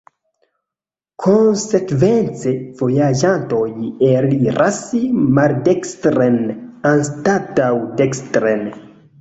Konsekvence, vojaĝantoj eliras maldekstren anstataŭ dekstren.